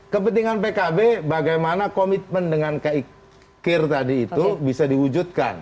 kepentingan pkb bagaimana komitmen dengan kikir tadi itu bisa diwujudkan